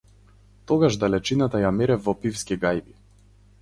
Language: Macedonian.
Тогаш далечината ја мерев во пивски гајби.